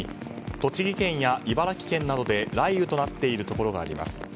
栃木県や茨城県などで雷雨となっているところがあります。